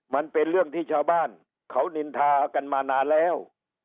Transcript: มันเป็นเรื่องที่ชาวบ้านเขานินทากันมานานแล้ว